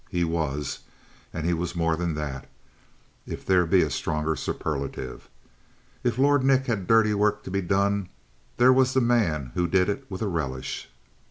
He was; and he was more than that, if there be a stronger superlative. If Lord Nick had dirty work to be done, there was the man who did it with a relish.